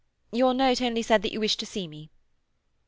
"Your note only said that you wished to see me."